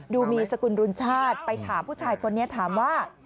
ดูมีสกุลรุนชาติไปถามผู้ชายคนนี้ถามว่า